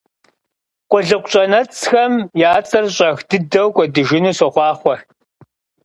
Къулыкъу щӀэнэцӀхэм я цӀэр щӀэх дыдэ кӀуэдыжыну сохъуахъуэ!